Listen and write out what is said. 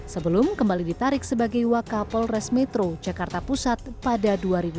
sebelum kembali ditarik sebagai wak kapolres metro jakarta pusat pada dua ribu sembilan